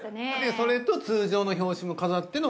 それと通常の表紙も飾っての。